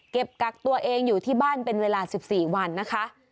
กักตัวเองอยู่ที่บ้านเป็นเวลา๑๔วันนะคะ